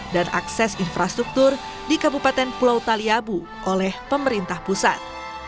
dan akses infrastruktur di kabupaten pulau taliabu oleh pemerintah pusat